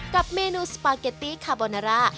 กับเมนูสปาเกตตี้คาโบนาร่า